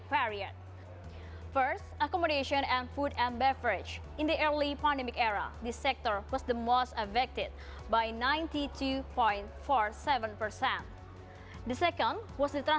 pertama tama saya ingin menjelaskan kesempatan covid sembilan belas dan penyelamat ekonomi jakarta